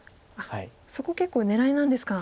そこ結構狙いなんですか。